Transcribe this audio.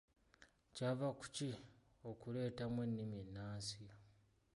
Kyava ku ki okuleetamu ennimi ennansi?